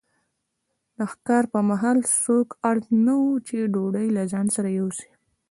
د ښکار پر مهال څوک اړ نه وو چې ډوډۍ له ځان سره یوسي.